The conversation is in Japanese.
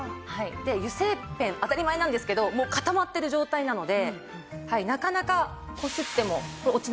油性ペン当たり前なんですけどもう固まってる状態なのでなかなかこすっても落ちないですよね。